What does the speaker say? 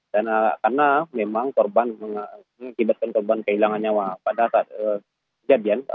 dan karena memang korban mengakibatkan kehilangan nyawa pada saat kejadian